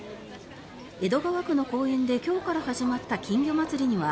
江戸川区の公園で今日から始まった金魚まつりには